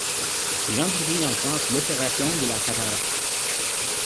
Il introduit en France l'opération de la cataracte.